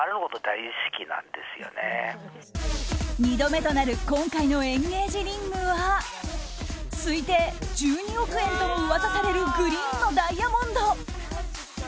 ２度目となる今回のエンゲージリングは推定１２億円とも噂されるグリーンのダイヤモンド。